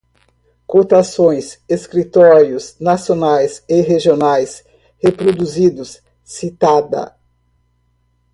Cotações, escritórios nacionais e regionais, reproduzidos, citada